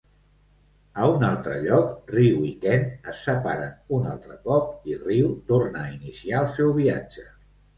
A un altre lloc, Ryu i Ken es separen un altre cop i Ryu torna a iniciar el seu viatge.